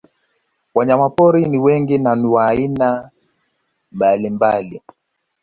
Wanyamapori ni wengi na wa aina mbalimbali